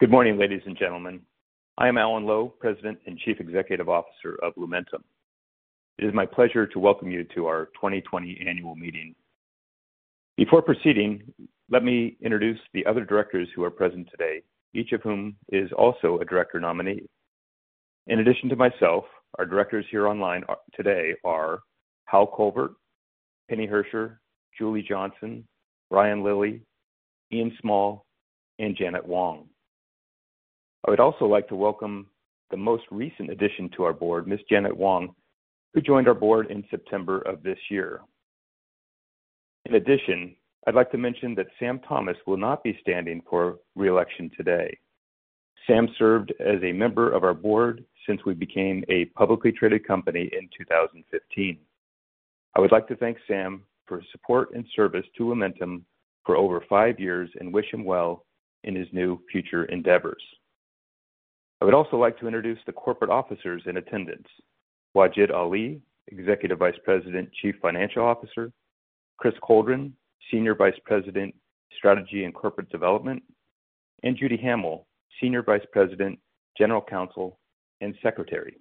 Good morning, ladies and gentlemen. I am Alan Lowe, President and Chief Executive Officer of Lumentum. It is my pleasure to welcome you to our 2020 Annual Meeting. Before proceeding, let me introduce the other Directors who are present today, each of whom is also a director nominee. In addition to myself, our Directors here online today are Harold Covert, Penny Herscher, Julie Johnson, Brian Lillie, Ian Small, and Janet Wong. I would also like to welcome the most recent addition to our board, Ms. Janet Wong, who joined our board in September of this year. In addition, I'd like to mention that Sam Thomas will not be standing for reelection today. Sam served as a member of our board since we became a publicly traded company in 2015. I would like to thank Sam for his support and service to Lumentum for over five years and wish him well in his new future endeavors. I would also like to introduce the corporate officers in attendance: Wajid Ali, Executive Vice President, Chief Financial Officer; Chris Coldren, Senior Vice President, Strategy and Corporate Development; and Judy Hamill, Senior Vice President, General Counsel and Secretary.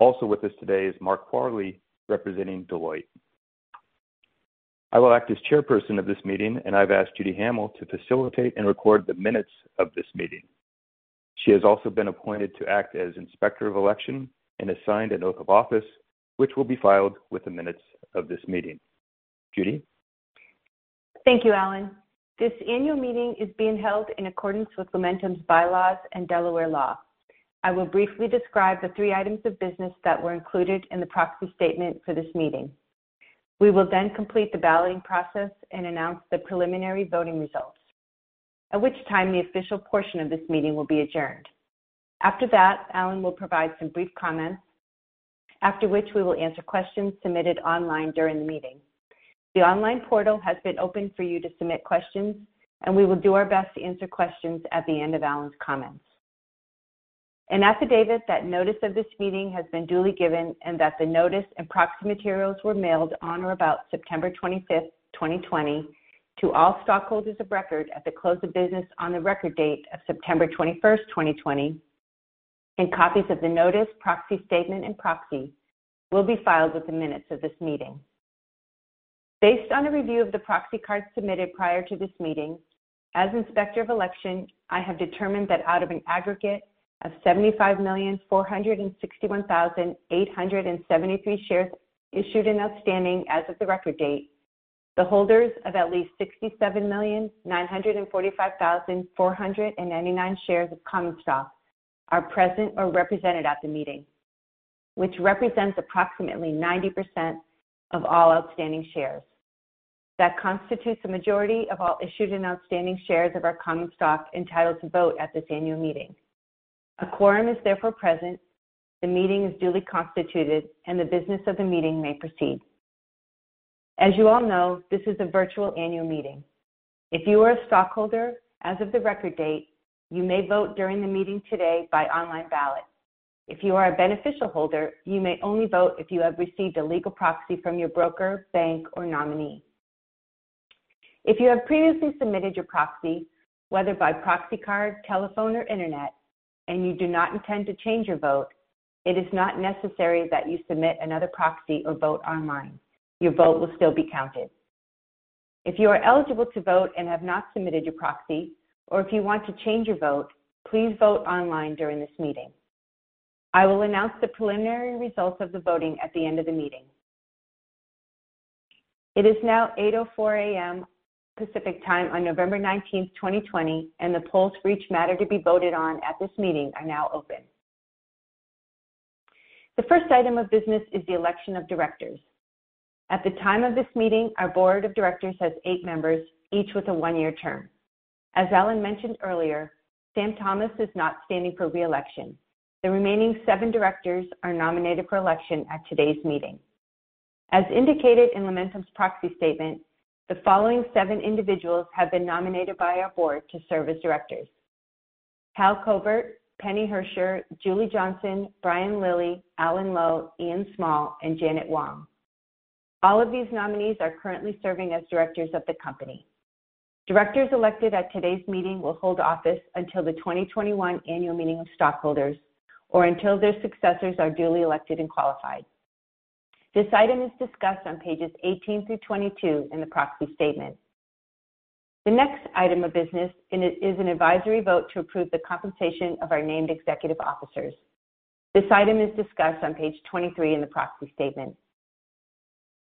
Also with us today is Mark Corley, representing Deloitte. I will act as Chairperson of this meeting, and I've asked Judy Hamill to facilitate and record the minutes of this meeting. She has also been appointed to act as Inspector of Election and assigned an oath of office, which will be filed with the minutes of this meeting. Judy? Thank you, Alan. This annual meeting is being held in accordance with Lumentum's Bylaws and Delaware law. I will briefly describe the three items of business that were included in the proxy statement for this meeting. We will then complete the balloting process and announce the preliminary voting results, at which time the official portion of this meeting will be adjourned. After that, Alan will provide some brief comments, after which we will answer questions submitted online during the meeting. The online portal has been opened for you to submit questions, and we will do our best to answer questions at the end of Alan's comments. An affidavit that notice of this meeting has been duly given and that the notice and proxy materials were mailed on or about September 25th, 2020, to all stockholders of record at the close of business on the record date of September 21st, 2020, and copies of the notice, proxy statement, and proxy will be filed with the minutes of this meeting. Based on a review of the proxy cards submitted prior to this meeting, as Inspector of Election, I have determined that out of an aggregate of 75,461,873 shares issued and outstanding as of the record date, the holders of at least 67,945,499 shares of common stock are present or represented at the meeting, which represents approximately 90% of all outstanding shares. That constitutes a majority of all issued and outstanding shares of our common stock entitled to vote at this annual meeting. A quorum is therefore present, the meeting is duly constituted, and the business of the meeting may proceed. As you all know, this is a virtual annual meeting. If you are a stockholder as of the record date, you may vote during the meeting today by online ballot. If you are a beneficial holder, you may only vote if you have received a legal proxy from your broker, bank, or nominee. If you have previously submitted your proxy, whether by proxy card, telephone, or internet, and you do not intend to change your vote, it is not necessary that you submit another proxy or vote online. Your vote will still be counted. If you are eligible to vote and have not submitted your proxy, or if you want to change your vote, please vote online during this meeting. I will announce the preliminary results of the voting at the end of the meeting. It is now 8:04 A.M. Pacific Time on November 19, 2020, and the polls for each matter to be voted on at this meeting are now open. The first item of business is the election of directors. At the time of this meeting, our board of directors has eight members, each with a one-year term. As Alan mentioned earlier, Sam Thomas is not standing for reelection. The remaining seven directors are nominated for election at today's meeting. As indicated in Lumentum's proxy statement, the following seven individuals have been nominated by our board to serve as directors: Hal Covert, Penny Herscher, Julia Johnson, Brian Lillie, Alan Lowe, Ian Small, and Janet Wong. All of these nominees are currently serving as directors of the company. Directors elected at today's meeting will hold office until the 2021 annual meeting of stockholders or until their successors are duly elected and qualified. This item is discussed on pages 18 through 22 in the proxy statement. The next item of business is an advisory vote to approve the compensation of our named executive officers. This item is discussed on page 23 in the proxy statement.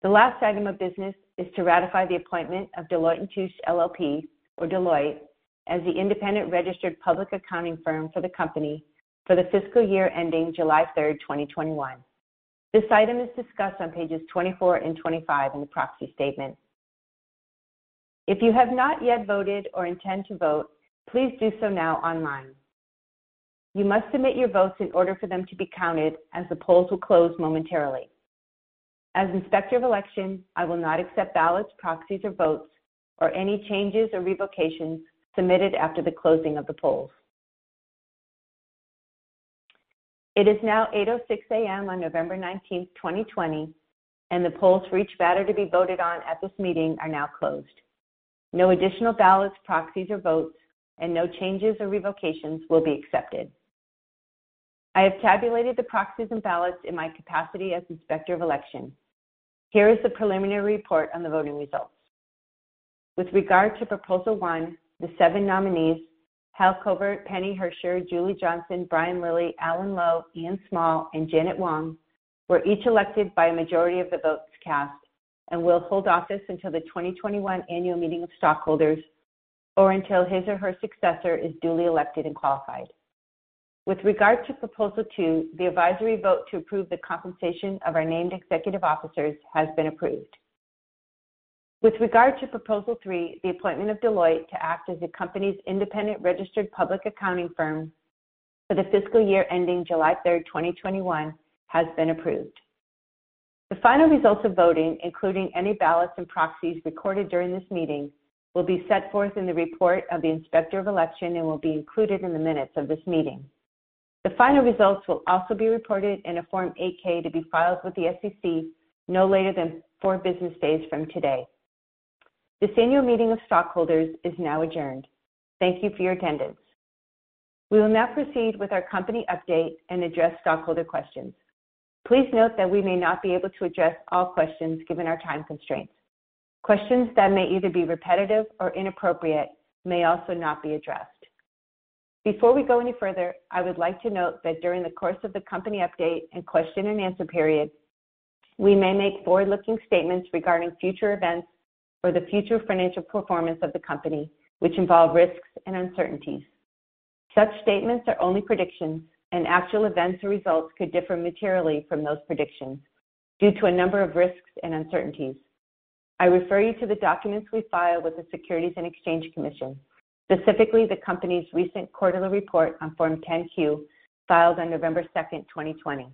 The last item of business is to ratify the appointment of Deloitte & Touche LLP, or Deloitte, as the independent registered public accounting firm for the company for the fiscal year ending July 3rd, 2021. This item is discussed on pages 24 and 25 in the proxy statement. If you have not yet voted or intend to vote, please do so now online. You must submit your votes in order for them to be counted as the polls will close momentarily. As Inspector of Election, I will not accept ballots, proxies, or votes, or any changes or revocations submitted after the closing of the polls. It is now 8:06 A.M. on November 19, 2020, and the polls for each matter to be voted on at this meeting are now closed. No additional ballots, proxies, or votes, and no changes or revocations will be accepted. I have tabulated the proxies and ballots in my capacity as Inspector of Election. Here is the preliminary report on the voting results. With regard to Proposal One, the seven nominees, Hal Covert, Penny Herscher, Julie Johnson, Brian Lillie, Alan Lowe, Ian Small, and Janet Wong, were each elected by a majority of the votes cast and will hold office until the 2021 annual meeting of stockholders or until his or her successor is duly elected and qualified. With regard to Proposal Two, the advisory vote to approve the compensation of our named executive officers has been approved. With regard to Proposal Three, the appointment of Deloitte to act as the company's independent registered public accounting firm for the fiscal year ending July 3rd, 2021, has been approved. The final results of voting, including any ballots and proxies recorded during this meeting, will be set forth in the report of the Inspector of Election and will be included in the minutes of this meeting. The final results will also be reported in a Form 8-K to be filed with the SEC no later than four business days from today. This annual meeting of stockholders is now adjourned. Thank you for your attendance. We will now proceed with our company update and address stockholder questions. Please note that we may not be able to address all questions given our time constraints. Questions that may either be repetitive or inappropriate may also not be addressed. Before we go any further, I would like to note that during the course of the company update and question-and-answer period, we may make forward-looking statements regarding future events or the future financial performance of the company, which involve risks and uncertainties. Such statements are only predictions, and actual events or results could differ materially from those predictions due to a number of risks and uncertainties. I refer you to the documents we file with the Securities and Exchange Commission, specifically the company's recent quarterly report on Form 10-Q filed on November 2nd, 2020.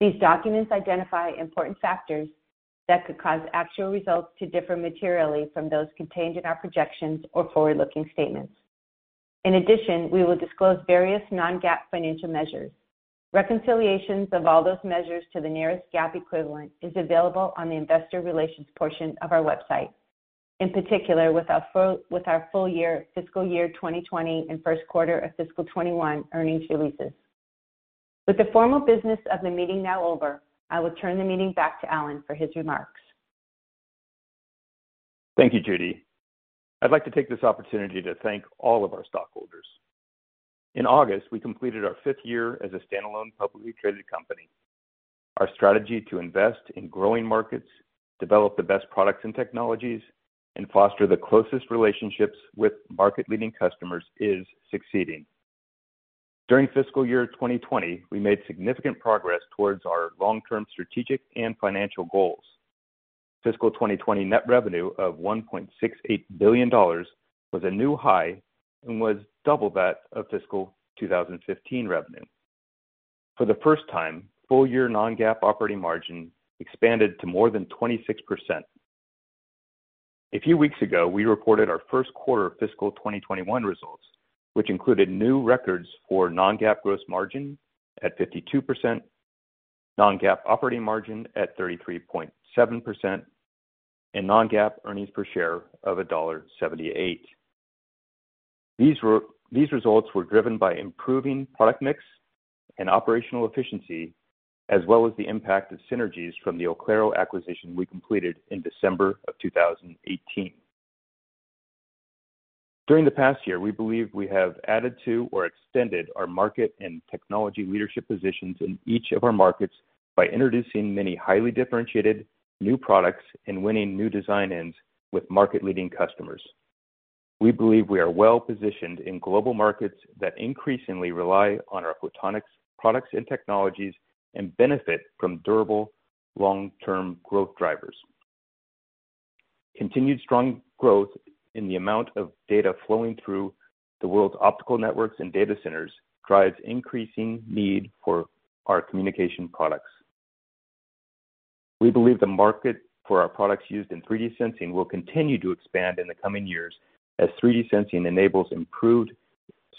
These documents identify important factors that could cause actual results to differ materially from those contained in our projections or forward-looking statements. In addition, we will disclose various non-GAAP financial measures. Reconciliations of all those measures to the nearest GAAP equivalent is available on the Investor Relations portion of our website, in particular with our full-year fiscal year 2020 and first quarter of fiscal 2021 earnings releases. With the formal business of the meeting now over, I will turn the meeting back to Alan for his remarks. Thank you, Judy. I'd like to take this opportunity to thank all of our stockholders. In August, we completed our fifth year as a standalone publicly traded company. Our strategy to invest in growing markets, develop the best products and technologies, and foster the closest relationships with market-leading customers is succeeding. During fiscal year 2020, we made significant progress towards our long-term strategic and financial goals. Fiscal 2020 net revenue of $1.68 billion was a new high and was double that of fiscal 2015 revenue. For the first time, full-year non-GAAP operating margin expanded to more than 26%. A few weeks ago, we reported our first quarter of fiscal 2021 results, which included new records for non-GAAP gross margin at 52%, non-GAAP operating margin at 33.7%, and non-GAAP earnings per share of $1.78. These results were driven by improving product mix and operational efficiency, as well as the impact of synergies from the Oclaro acquisition we completed in December of 2018. During the past year, we believe we have added to or extended our market and technology leadership positions in each of our markets by introducing many highly differentiated new products and winning new design wins with market-leading customers. We believe we are well-positioned in global markets that increasingly rely on our photonics products and technologies and benefit from durable long-term growth drivers. Continued strong growth in the amount of data flowing through the world's optical networks and data centers drives increasing need for our communication products. We believe the market for our products used in 3D sensing will continue to expand in the coming years as 3D sensing enables improved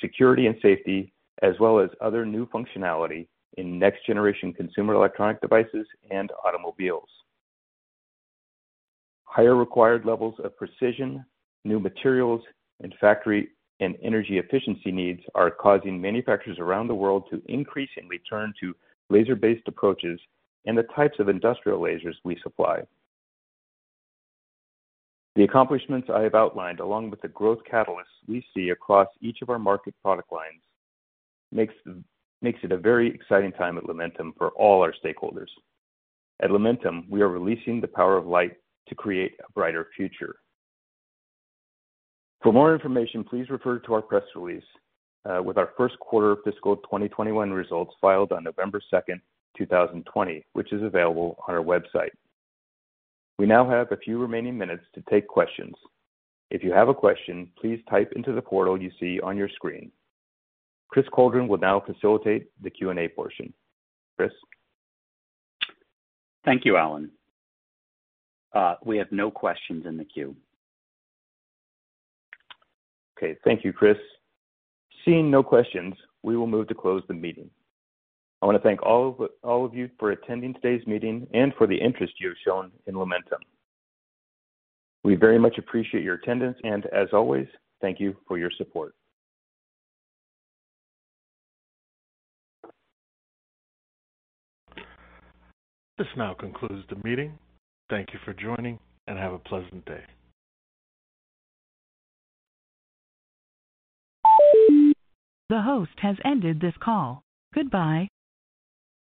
security and safety, as well as other new functionality in next-generation consumer electronic devices and automobiles. Higher required levels of precision, new materials, and factory and energy efficiency needs are causing manufacturers around the world to increasingly turn to laser-based approaches and the types of industrial lasers we supply. The accomplishments I have outlined, along with the growth catalysts we see across each of our market product lines, make it a very exciting time at Lumentum for all our stakeholders. At Lumentum, we are releasing the power of light to create a brighter future. For more information, please refer to our press release with our first quarter of fiscal 2021 results filed on November 2nd, 2020, which is available on our website. We now have a few remaining minutes to take questions. If you have a question, please type into the portal you see on your screen. Chris Coldren will now facilitate the Q&A portion. Chris? Thank you, Alan. We have no questions in the queue. Okay. Thank you, Chris. Seeing no questions, we will move to close the meeting. I want to thank all of you for attending today's meeting and for the interest you have shown in Lumentum. We very much appreciate your attendance, and as always, thank you for your support. This now concludes the meeting. Thank you for joining, and have a pleasant day. The host has ended this call. Goodbye.